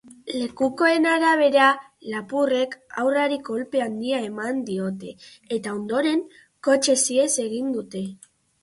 Lekukoen arabera, lapurrek haurrari kolpe handia eman diote eta ondoren kotxez ihes egin dute.